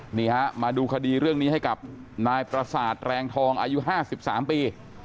นี่ฮะมาดูคดีเรื่องนี้ให้กับนายประสาทแรงทองอายุ๕๓ปี